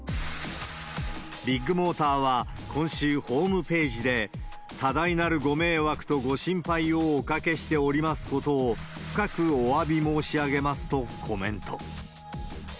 ビッグモーターは、今週、ホームページで多大なるご迷惑とご心配をおかけしておりますことを、深くおわび申し上げますとコメント。